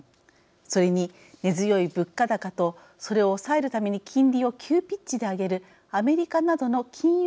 それに根強い物価高とそれを抑えるために金利を急ピッチで上げるアメリカなどの金融